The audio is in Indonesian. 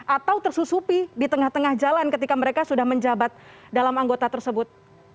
atau tersusupi di tengah tengah jalan ketika mereka sudah menjabat dalam anggota tersebut